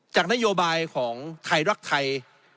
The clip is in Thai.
จากนโยบายของไทยรักไทย